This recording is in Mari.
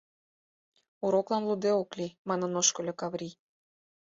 Уроклан лудде ок лий, Манын ошкыльо Каврий.